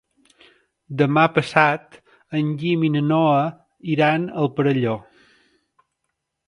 Demà passat en Guim i na Noa iran al Perelló.